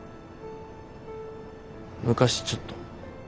昔ちょっと。